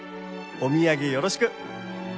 お土産よろしく！」